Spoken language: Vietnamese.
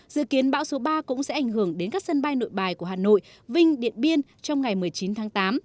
dự kiến bão số ba cũng sẽ ảnh hưởng đến các sân bay nội bài của hà nội vinh điện biên trong ngày một mươi chín tháng tám